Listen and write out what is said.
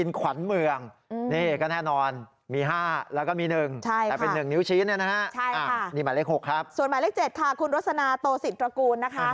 แล้วมีลิศนาโตสิทธิ์กระกูลนะคะ